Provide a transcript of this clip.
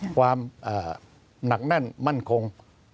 ความหนักแน่นมั่นคง